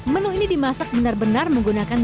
menu ini dimasak benar benar menggunakan